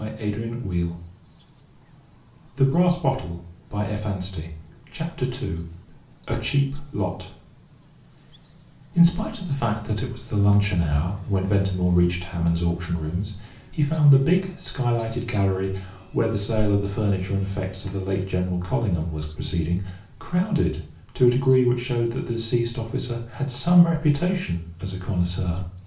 Hammond's well known auction rooms. CHAPTER II A CHEAP LOT In spite of the fact that it was the luncheon hour when Ventimore reached Hammond's Auction Rooms, he found the big, skylighted gallery where the sale of the furniture and effects of the late General Collingham was proceeding crowded to a degree which showed that the deceased officer had some reputation as a connoisseur.